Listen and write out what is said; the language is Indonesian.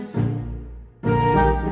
aduh kebentur lagi